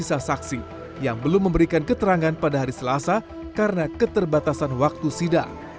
sisa saksi yang belum memberikan keterangan pada hari selasa karena keterbatasan waktu sidang